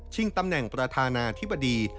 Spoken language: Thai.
ตำแหน่งประธานาธิบดี